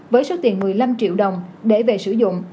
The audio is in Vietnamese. với số tiền một mươi năm triệu đồng để về sử dụng